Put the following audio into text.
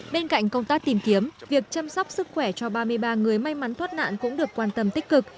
bên cạnh công tác tìm kiếm việc chăm sóc sức khỏe cho ba mươi ba người may mắn thoát nạn cũng được quan tâm tích cực